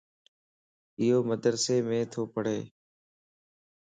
ايو مدرسيم تو پڙھه